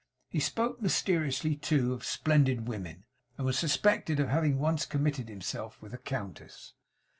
He spoke mysteriously, too, of splendid women, and was suspected of having once committed himself with a Countess.